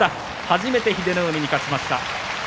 初めて英乃海に勝ちました。